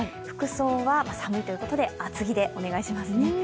服装は寒いということで、厚着でお願いします。